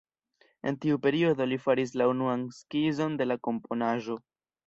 En tiu periodo li faris la unuan skizon de la komponaĵo.